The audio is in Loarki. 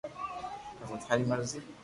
پسي ٿاري مرزي